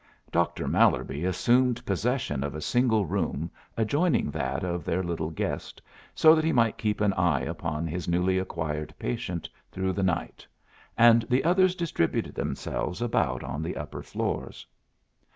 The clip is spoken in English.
Doctor Mallerby assumed possession of a single room adjoining that of their little guest, so that he might keep an eye upon his newly acquired patient through the night, and the others distributed themselves about on the upper floors.